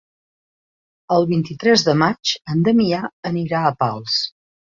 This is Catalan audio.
El vint-i-tres de maig en Damià anirà a Pals.